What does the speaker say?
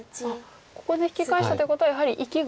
ここで引き返したということはやはり生きが。